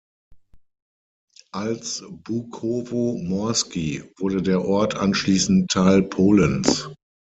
Als Bukowo Morskie wurde der Ort anschließend Teil Polens.